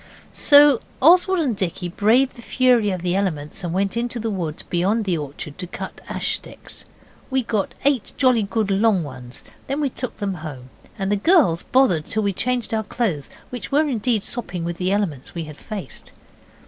So Oswald and Dicky braved the fury of the elements and went into the wood beyond the orchard to cut ash sticks. We got eight jolly good long ones. Then we took them home, and the girls bothered till we changed our clothes, which were indeed sopping with the elements we had faced.